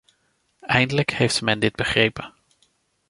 Eindelijk heeft men dit begrepen.